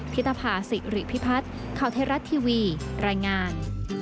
พิทธภาษีหริพิพัฒน์เข้าเทราะทีวีรายงาน